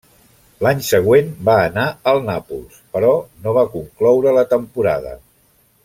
L'any següent va anar al Nàpols però no va concloure la temporada.